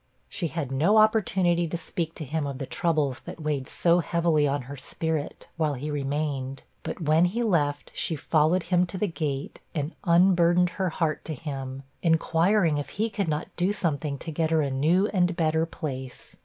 She had no opportunity to speak to him of the troubles that weighed so heavily on her spirit, while he remained; but when he left, she followed him to the gate, and unburdened her heart to him, inquiring if he could not do something to get her a new and better place.